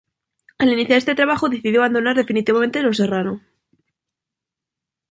Al iniciar este trabajo, decidió abandonar definitivamente "Los Serrano".